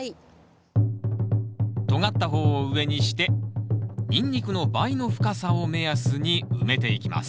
とがった方を上にしてニンニクの倍の深さを目安に埋めていきます